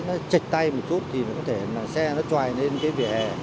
nó chệch tay một chút thì nó có thể là xe nó tròi lên cái vỉa hè